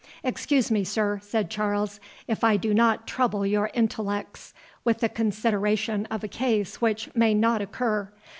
"Excuse me, sir," said Charles, "if I do not trouble your intellects with the consideration of a case which may not occur.